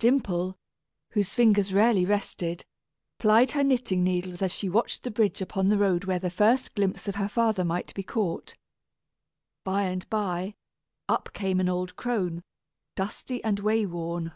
Dimple, whose fingers rarely rested, plied her knitting needles as she watched the bridge upon the road where the first glimpse of her father might be caught. By and by, up came an old crone, dusty and way worn.